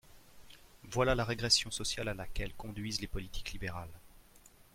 Voilà la régression sociale à laquelle conduisent les politiques libérales